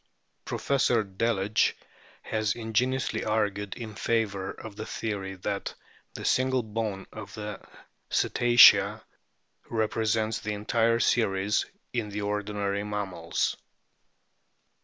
Professor Delage has ingeniously argued in favour of the theory that the single bone of the Cetacea represents the entire series in the ordinary mammals.